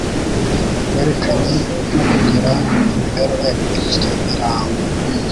werekeranye no kugira imibereho ya Gikristo irangwa